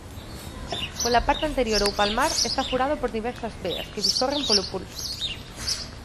Pola parte anterior ou palmar está furado por diversas veas que discorren polo pulso.